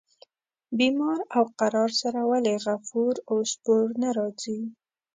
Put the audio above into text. بیمار او قرار سره ولي غفور او سپور نه راځي.